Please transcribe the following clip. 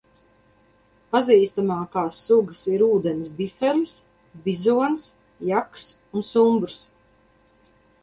Pazīstamākās sugas ir ūdens bifelis, bizons, jaks un sumbrs.